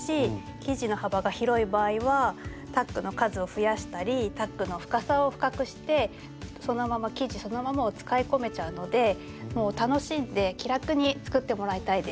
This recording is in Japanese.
生地の幅が広い場合はタックの数を増やしたりタックの深さを深くして生地そのままを使い込めちゃうのでもう楽しんで気楽に作ってもらいたいです。